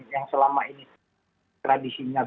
yang selama ini tradisinya